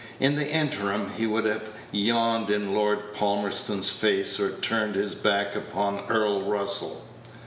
In the interim, he would have yawned in Lord Palmerston's face, or turned his back upon Earl Russell.